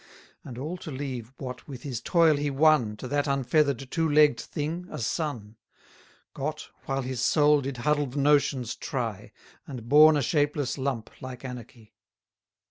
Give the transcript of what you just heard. And all to leave what with his toil he won, To that unfeather'd two legg'd thing, a son; 170 Got, while his soul did huddled notions try; And born a shapeless lump, like anarchy.